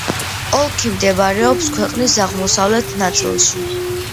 ოლქი მდებარეობს ქვეყნის აღმოსავლეთ ნაწილში.